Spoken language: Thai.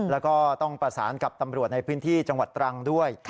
แล้วก็ต้องประสานกับตำรวจในพื้นที่จังหวัดตรังด้วย